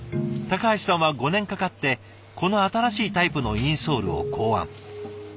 橋さんは５年かかってこの新しいタイプのインソールを考案。